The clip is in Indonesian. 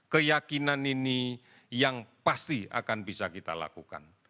keyakinan ini yang pasti akan bisa kita lakukan